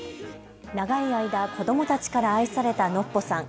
長い間、子どもたちから愛されたノッポさん。